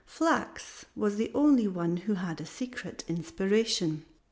Flachs was the only one who had a secret inspiration.